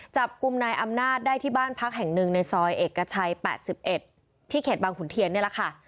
จับกลุ่มนายอำนาจได้ที่บ้านพักแห่งหนึ่งในซอยเอกชัย๘๑ที่เขตบางขุนเทียนนี่แหละค่ะ